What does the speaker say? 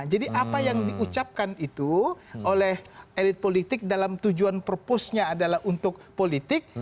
jadi apa yang diucapkan itu oleh elit politik dalam tujuan propusnya adalah untuk politik